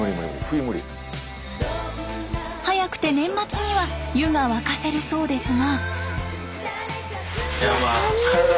早くて年末には湯が沸かせるそうですが。